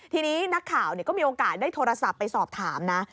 ทีนี้นักข่าวก็มีโอกาสได้โทรศัพท์ไปสอบถามนะ